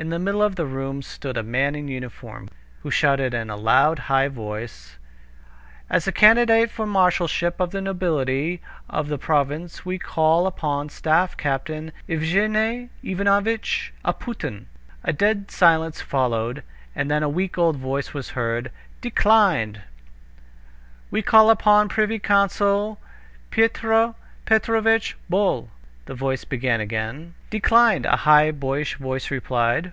In the middle of the room stood a man in a uniform, who shouted in a loud, high voice: "As a candidate for the marshalship of the nobility of the province we call upon staff captain Yevgeney Ivanovitch Apuhtin!" A dead silence followed, and then a weak old voice was heard: "Declined!" "We call upon the privy councilor Pyotr Petrovitch Bol," the voice began again. "Declined!" a high boyish voice replied.